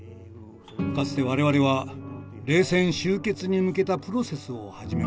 かつて我々は冷戦終結に向けたプロセスを始めました。